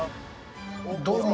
どうも。